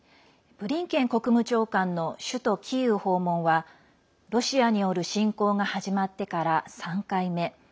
ブリンケン国務長官の首都キーウ訪問はロシアによる侵攻が始まってから３回目。